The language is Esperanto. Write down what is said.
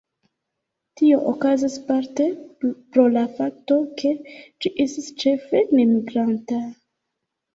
Tio okazas parte pro la fakto ke ĝi estas ĉefe nemigranta.